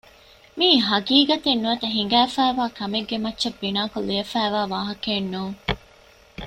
މީ ހަގީގަތެއް ނުވަތަ ހިނގައިފައިވާ ކަމެއްގެ މައްޗަށް ބިނާކޮށް ލިޔެވިފައިވާ ވާހަކައެއް ނޫން